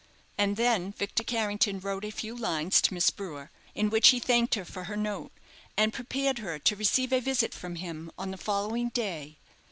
And then Victor Carrington wrote a few lines to Miss Brewer, in which he thanked her for her note, and prepared her to receive a visit from him on the following day.